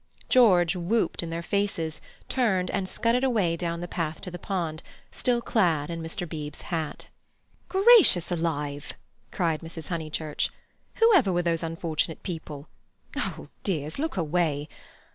George whooped in their faces, turned and scudded away down the path to the pond, still clad in Mr. Beebe's hat. "Gracious alive!" cried Mrs. Honeychurch. "Whoever were those unfortunate people? Oh, dears, look away!